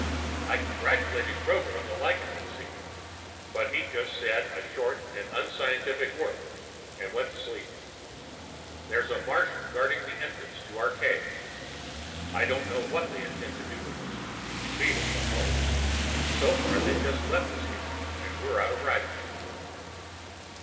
I congratulated Kroger on the lichen I'd seen, but he just said a short and unscientific word and went to sleep. There's a Martian guarding the entrance to our cave. I don't know what they intend to do with us. Feed us, I hope. So far, they've just left us here, and we're out of rations.